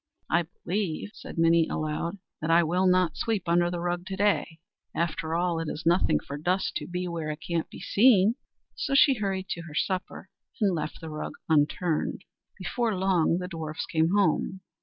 "I believe," said Minnie aloud, "that I will not sweep under the rug to day. After all, it is nothing for dust to be where it can't be seen." So she hurried to her supper and left the rug unturned. Before long the dwarfs came home.